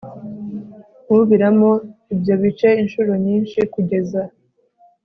ubiramo ibyo bice inshuro nyinshi kugeza